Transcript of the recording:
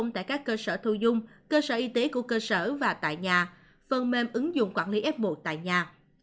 tại các cơ sở thu dung cơ sở y tế của cơ sở và tại nhà phần mềm ứng dụng quản lý f một tại nhà